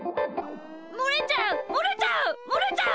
もれちゃうもれちゃうもれちゃう！